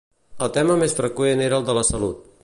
El tema més freqüent era el de la salut.